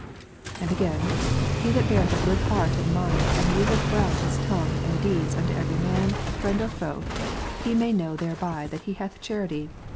And again :" He that beareth a good heart and mind, and useth well his tongue and deeds unto every man, friend or foe, he may know thereby that he hath charity.